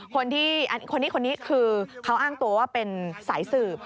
คนนี้คือเขาอ้างตัวว่าเป็นสายสื่อ